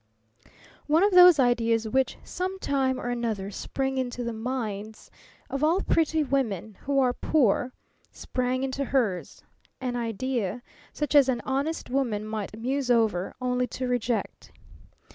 One of those ideas which sometime or another spring into the minds of all pretty women who are poor sprang into hers an idea such as an honest woman might muse over, only to reject.